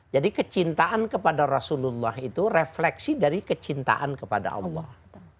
jadi kecintaan kepada rasulullah itu refleksi dari kecintaan kepada allah